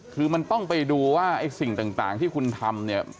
คือมันต้องไปดูว่าไอ้สิ่งต่างที่คุณทำเนี่ย